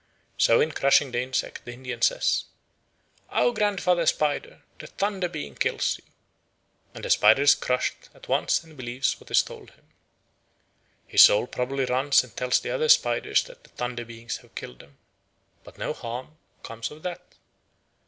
So in crushing the insect, the Indian says, "O Grandfather Spider, the Thunder beings kill you." And the spider is crushed at once and believes what is told him. His soul probably runs and tells the other spiders that the Thunder beings have killed him; but no harm comes of that.